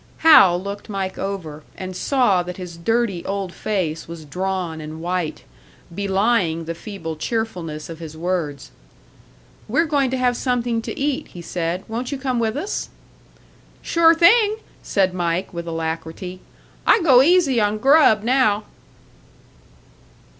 Hal looked Mike over, and saw that his dirty old face was drawn and white, belying the feeble cheerfulness of his words. "We're going to have something to eat," he said. "Won't you come with us?" "Sure thing!" said Mike, with alacrity. "I go easy on grub now."